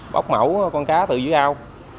bóc mẫu con cá từ dưới ao